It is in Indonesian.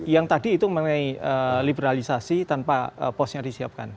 yang tadi itu mengenai liberalisasi tanpa pos nya disiapkan